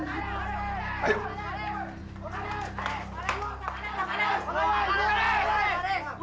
oleh oleh oleh